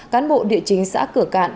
cán bộ địa chính xã cửa cạn